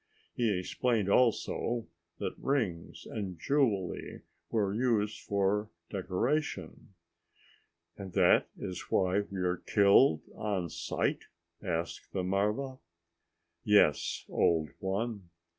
He explained also that rings and jewelry were used for decoration. "And that is why we are killed on sight?" asked the marva. "Yes, old one."